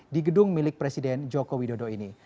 di gedung milik presiden jokowi dodo ini